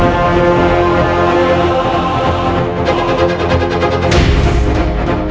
lihatlah untuk contradksi hubble